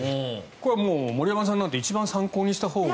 これは森山さんなんて一番参考にしたほうが。